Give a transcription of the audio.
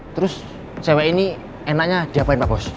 terus cewek ini enaknya diapain pak bos